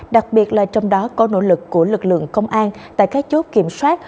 đặc biệt là trong đó có nỗ lực của lực lượng công an tại các chốt kiểm soát